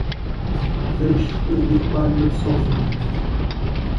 Deixe fogo e palha sozinho.